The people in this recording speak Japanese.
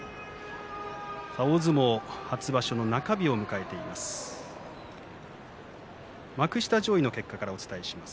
大相撲初場所は中日を迎えています。